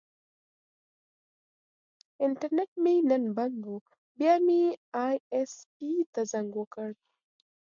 انټرنیټ مې نن بند و، بیا مې ائ ایس پي ته زنګ وکړ.